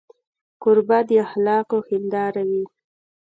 کوربه د اخلاقو هنداره وي.